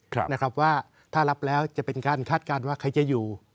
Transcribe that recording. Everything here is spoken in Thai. ครับนะครับว่าถ้ารับแล้วจะเป็นการคาดการณ์ว่าใครจะอยู่